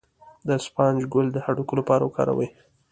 د اسفناج ګل د هډوکو لپاره وکاروئ